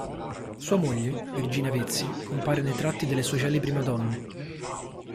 Sua moglie, Virginia Vezzi, compare nei tratti delle sue celebri Madonne.